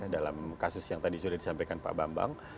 dalam kasus yang tadi sudah disampaikan pak bambang